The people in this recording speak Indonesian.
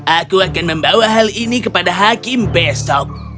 aku akan membawa hal ini kepada hakim besok